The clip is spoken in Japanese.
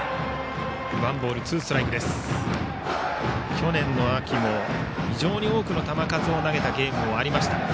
去年の秋も非常に多くの球数を投げたゲームもありました。